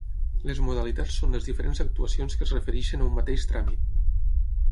Les modalitats són les diferents actuacions que es refereixen a un mateix tràmit.